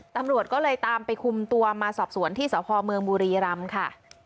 ตำรวจก็เลยตามไปคุมตัวมาสอบสวนที่สพเมืองบุรีรำค่ะ